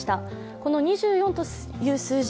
この２４という数字